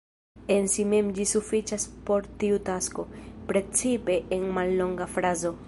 En si mem ĝi sufiĉas por tiu tasko, precipe en mallonga frazo.